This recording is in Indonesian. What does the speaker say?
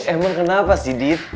emang kenapa sih div